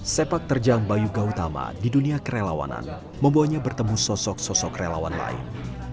sepak terjang bayu gautama di dunia kerelawanan membawanya bertemu sosok sosok relawan lain